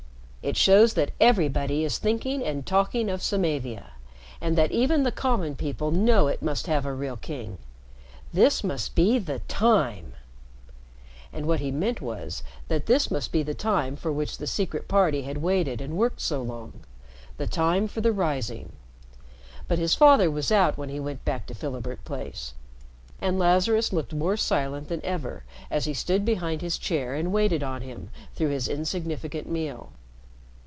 "It shows that everybody is thinking and talking of Samavia, and that even the common people know it must have a real king. This must be the time!" And what he meant was that this must be the time for which the Secret Party had waited and worked so long the time for the Rising. But his father was out when he went back to Philibert Place, and Lazarus looked more silent than ever as he stood behind his chair and waited on him through his insignificant meal.